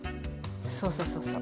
そうそうそうそう。